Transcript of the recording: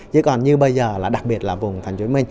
chứ còn như bây giờ là đặc biệt là vùng tp hcm